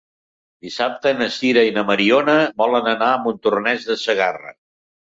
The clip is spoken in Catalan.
Dissabte na Sira i na Mariona volen anar a Montornès de Segarra.